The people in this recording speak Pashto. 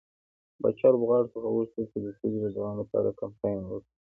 پاچا لوبغاړو څخه وغوښتل چې د سولې د دوام لپاره کمپاين وکړي.